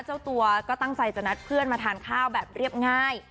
เจ้าตัวก็ตั้งใจจะนัดเพื่อนมาทานข้าวแบบเรียบง่าย